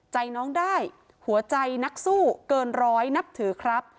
ใจน้องได้หัวใจนักสู้เกินร้อยนับถือครับ